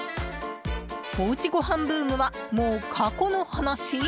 おうちごはんブームはもう過去の話？